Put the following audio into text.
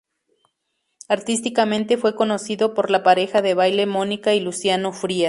Artísticamente fue conocido por la pareja de baile Mónica y Luciano Frías.